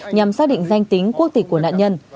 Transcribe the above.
nhằm xác định danh tính quốc tịch của nạn nhân